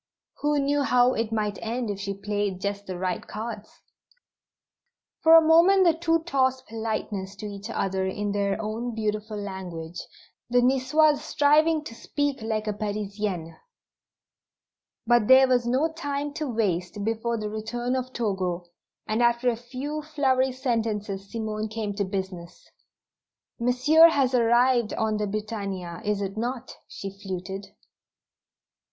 Who knew how it might end if she played just the right cards? For a moment the two tossed "politenesses" to each other in their own beautiful language, the Nicoise striving to speak like a Parisienne. But there was no time to waste before the return of Togo, and after a few flowery sentences Simone came to business. "Monsieur has arrived on the Britannia, is it not?" she fluted.